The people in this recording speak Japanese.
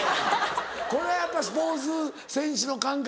これはやっぱスポーツ選手の感覚